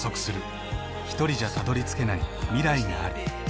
ひとりじゃたどりつけない未来がある。